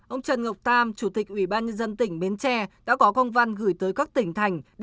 ông trần ngọc tam chủ tịch ubnd tỉnh bến tre đã có công văn gửi tới các tỉnh thành